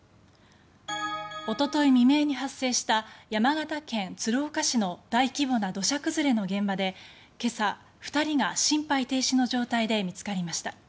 おととい未明に発生した山形県鶴岡市の大規模な土砂崩れの現場で今朝、２人が心肺停止の状態で見つかりました。